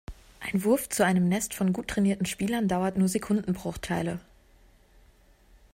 Ein Wurf zu einem Nest von gut trainierten Spielern dauert nur Sekundenbruchteile.